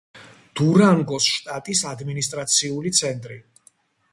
დურანგოს შტატის ადმინისტრაციული ცენტრი.